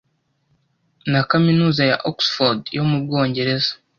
na Kaminuza ya Oxford yo mu Bwongereza,